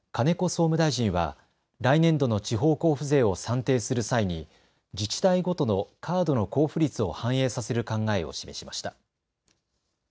総務大臣は来年度の地方交付税を算定する際に自治体ごとのカードの交付率を反映させる考えを示しました。